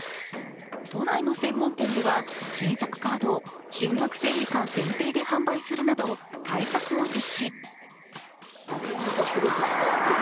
都内の専門店では新作カードを中学生以下限定で販売するなど対策を実施。